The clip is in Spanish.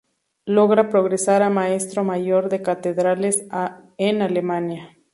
Logra progresar a Maestro Mayor de Catedrales en Alemania.